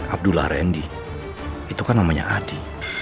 abdullah rendy itu kan namanya adi